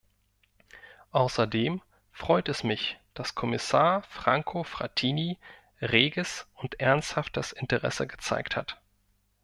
Außerdem freut es mich, dass Kommissar Franco Frattini reges und ernsthaftes Interesse gezeigt hat.